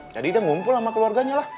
jadi dia ngumpul sama keluarganya lah